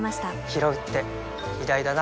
ひろうって偉大だな